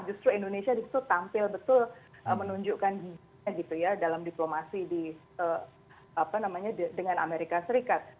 justru indonesia disitu tampil betul menunjukkan gini gininya gitu ya dalam diplomasi di apa namanya dengan amerika serikat